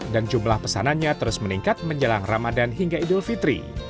dan jumlah pesanannya terus meningkat menjelang ramadan hingga idul fitri